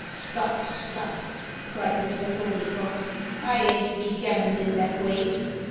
"Stuff stuff!" cried Mr. Thorneycroft; "I ain't to be gammoned in that way."